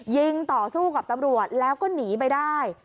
ยิงต่อสู้กับตำรวจแล้วก็หนีไปได้